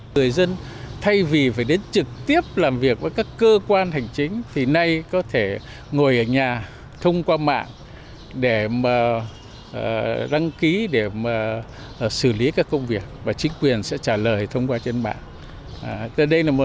người dân thay vì phải đến trực tiếp làm việc với các cơ quan hành chính thì nay có thể ngồi ở nhà thông qua mạng để đăng ký để xử lý các công việc và chính quyền sẽ trả lời thông qua trên mạng